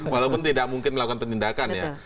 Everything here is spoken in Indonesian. walaupun tidak mungkin melakukan penindakan ya